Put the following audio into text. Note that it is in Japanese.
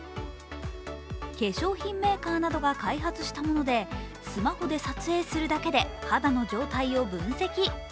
化粧品メーカーなどが開発したものでスマホで撮影するだけで肌の状態を分析。